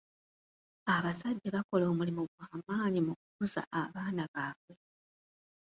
Abazadde bakola omulimu gw'amaanyi mu kukuza abaana baabwe.